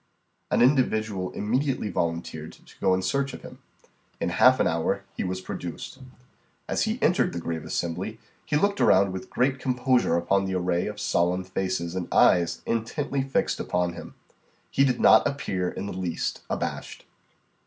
An individual immediately volunteered to go in search of him. In half an hour he was produced. As he entered the grave assembly, he looked around with great composure upon the array of solemn faces and eyes intently fixed upon him. He did not appear in the least abashed.